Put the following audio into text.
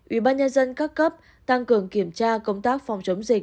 ubnd các cấp tăng cường kiểm tra công tác phòng chống dịch